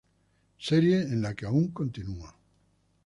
Serie en la que aún continua.